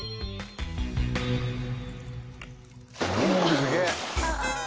すげえ！